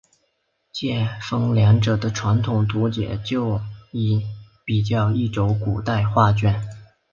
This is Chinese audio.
介分两者的传统图解就似比较一轴古代画卷。